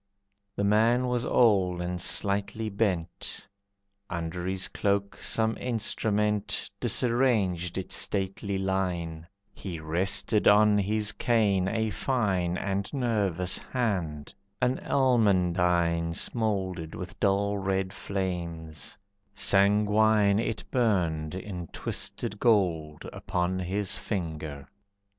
The man was old and slightly bent, Under his cloak some instrument Disarranged its stately line, He rested on his cane a fine And nervous hand, an almandine Smouldered with dull red flames, sanguine It burned in twisted gold, upon His finger.